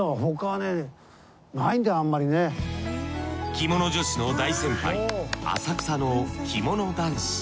着物女子の大先輩浅草の着物男子。